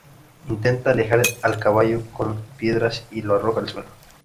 Intenta alejar al caballo con piedras y lo arroja al suelo.